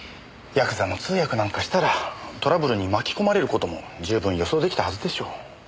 ヤクザの通訳なんかしたらトラブルに巻き込まれる事も十分予想出来たはずでしょう。